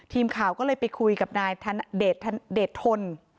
ทีมข่าวก็เลยไปคุยกับนายเดชทน